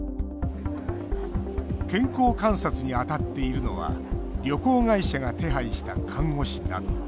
健康観察に当たっているのは旅行会社が手配した看護師など。